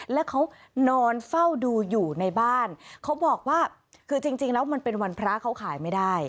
แล้วเขานอนเฝ้าดูอยู่ในบ้านเขาบอกว่าคือจริงแล้วมันเป็นวันพระเขาขายไม่ได้